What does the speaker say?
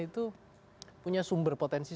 itu punya sumber potensi